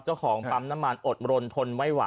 เจ้าของปั๊มน้ำมันอดรนทนไม่ไหว